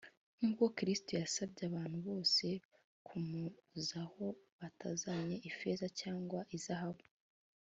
nkuko Kirisitu yasabye abantu bose kumuzaho batazanye ifeza cyangwa izahabu